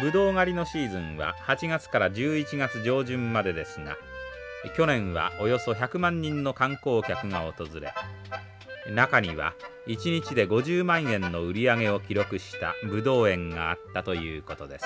ブドウ狩りのシーズンは８月から１１月上旬までですが去年はおよそ１００万人の観光客が訪れ中には一日で５０万円の売り上げを記録したブドウ園があったということです。